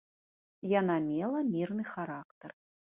Яна мела мірны характар.